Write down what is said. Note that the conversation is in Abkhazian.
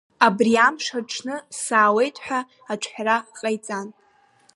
Абри амш аҽны саауеит, ҳәа аҿҳәара ҟаиҵан.